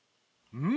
うん！